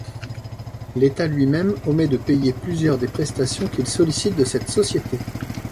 L'État lui-même omet de payer plusieurs des prestations qu'il sollicite de cette société.